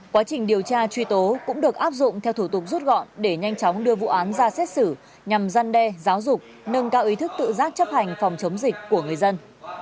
quá trình điều tra truy tố cũng được áp dụng theo thủ tục rút gọn để nhanh chóng đưa vụ án ra xét xử nhằm gian đe giáo dục nâng cao ý thức tự giác chấp hành phòng chống dịch của người dân